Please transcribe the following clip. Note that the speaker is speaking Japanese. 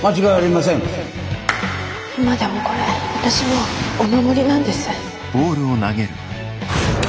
今でもこれ私のお守りなんです。